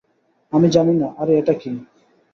আমি জানি না - আরে এটা কি?